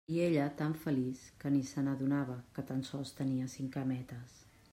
I ella, tan feliç, que ni se n'adonava, que tan sols tenia cinc cametes.